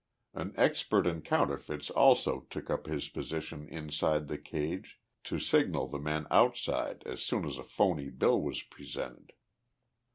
An expert in counterfeits also took up his position inside the cage, to signal the men outside as soon as a phony bill was presented.